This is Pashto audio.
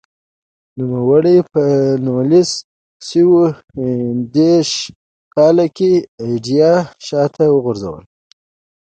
نوموړي په نولس سوه یو دېرش کال کې ایډیا شاته وغورځوله.